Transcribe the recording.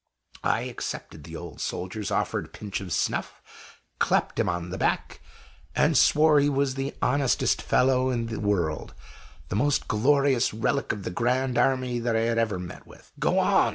I accepted the old soldier's offered pinch of snuff; clapped him on the back, and swore he was the honestest fellow in the world the most glorious relic of the Grand Army that I had ever met with. "Go on!"